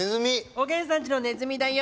おげんさんちのねずみだよ。